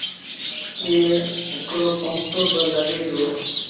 ائيٚݩ هڪڙو پمپ با لڳي دو۔